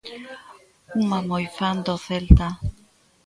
Unha moi fan do Celta...